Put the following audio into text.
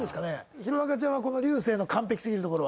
弘中ちゃんはこの流星の完璧すぎるところは？